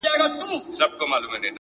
o ماخو ستا غمونه ځوروي گلي ـ